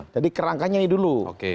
jadi kerangkanya ini dulu